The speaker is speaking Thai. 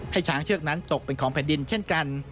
ช้างเชือกนั้นตกเป็นของแผ่นดินเช่นกัน